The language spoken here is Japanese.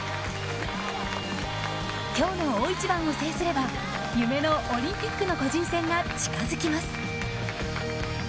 今日の大一番を制すれば夢のオリンピックの個人戦が近づきます。